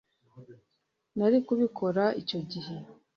Nari kubikora icyo gihe